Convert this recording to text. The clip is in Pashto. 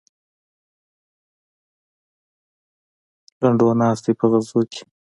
لنډو ناست دی په خزو کې.